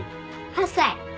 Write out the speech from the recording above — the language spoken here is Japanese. ８歳。